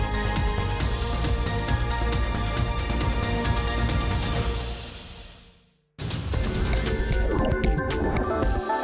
สวัสดีค่ะ